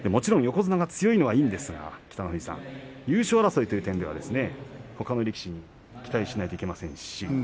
横綱が強いのはいいんですが北の富士さん優勝争いという点ではほかの力士、期待しないといけませんね。